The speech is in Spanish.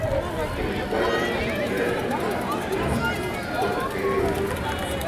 En el cual tenemos seguridad y entrada con confianza por la fe de él.